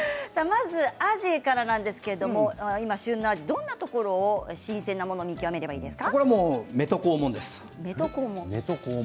まずアジからなんですが今旬のアジどんなところを新鮮なところ見極めればいいですか。